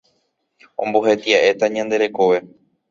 Ombohetia'éta ñande rekove